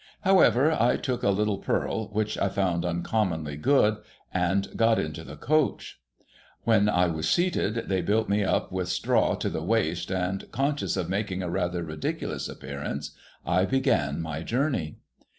However, I took a little purl (which I found uncommonly good), and got into the coach. When I was seated, they built me up with straw to the waist, and, conscious of making a rather ridiculous appearance, I began my journey.